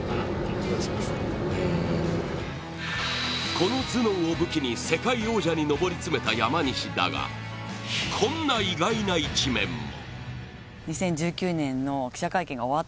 この頭脳を武器に世界王者に上り詰めた山西だがこんな意外な一面も。